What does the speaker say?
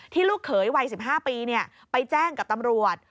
ลูกเขยวัย๑๕ปีไปแจ้งกับตำรวจ